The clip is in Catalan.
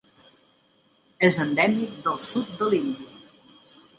És endèmic del sud de l'Índia.